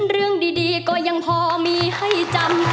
เรื่องดีก็ยังพอมีให้จำ